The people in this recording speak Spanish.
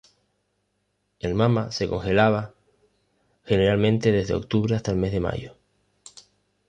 El Mama se congelada generalmente desde octubre hasta el mes de mayo.